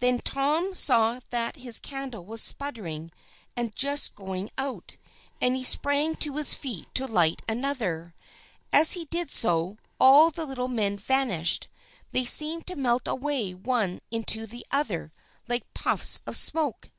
Then Tom saw that his candle was sputtering and just going out, and he sprang to his feet to light another. As he did so, all the little men vanished. They seemed to melt away one into the other like puffs of smoke.